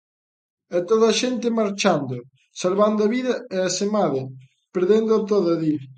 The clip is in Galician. E toda a xente marchando, salvando a vida e asemade perdéndoa toda, di.